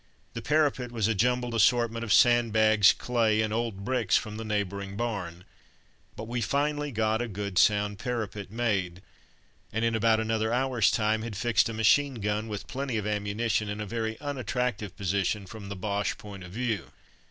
The parapet was a jumbled assortment of sandbags, clay, and old bricks from the neighbouring barn: but we finally got a good sound parapet made, and in about another hour's time had fixed a machine gun, with plenty of ammunition, in a very unattractive position from the Boche point of view.